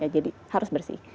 jadi harus bersih